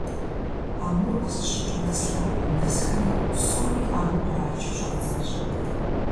Амур къызыщыкӀ мэз лъапэм нэсхэри, псоми аму кърачу щӀадзащ.